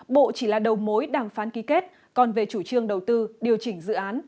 bộ chỉ là đầu mối đàm phán ký kết còn về chủ trương đầu tư điều chỉnh dự án